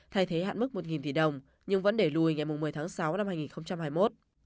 thay thế hạn mức một tỷ đồng nhưng vẫn để lùi ngày một mươi tháng sáu năm hai nghìn hai mươi một